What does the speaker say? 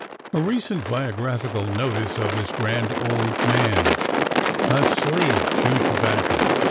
A RECENT BIOGRAPHICAL NOTICE OF THIS GRAND OLD MAN A SLAVE TO TOBACCO.